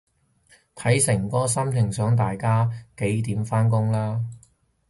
睇誠哥心情想大家幾點返工啦